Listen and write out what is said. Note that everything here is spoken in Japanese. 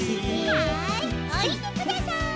はいおりてください。